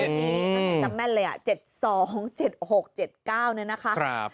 จำแม่นเลย๗๒๗๖๗๙เนี่ยนะคะ